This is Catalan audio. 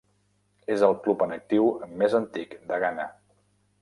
És el club en actiu més antic de Ghana.